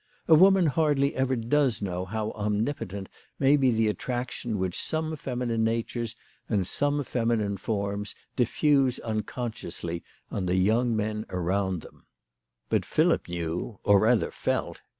A woman hardly ever does know how omnipotent may be the attraction which some feminine natures, and some feminine forms, diffuse unconsciously on the young men around them. But Philip knew, or rather felt.